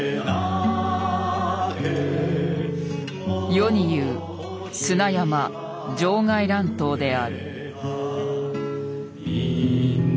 世に言う砂山場外乱闘である。